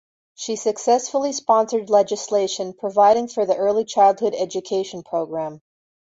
She successfully sponsored legislation providing for the early childhood education program.